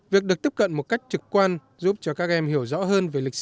việc được tiếp cận một cách trực quan giúp cho các em hiểu rõ hơn về lịch sử